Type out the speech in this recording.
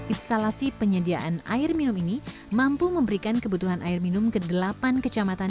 instalasi penyediaan air minum ini mampu memberikan kebutuhan air minum ke delapan kecamatan